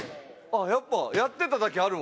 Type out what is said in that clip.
やっぱやってただけあるわ。